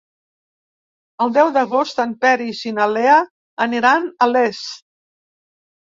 El deu d'agost en Peris i na Lea aniran a Les.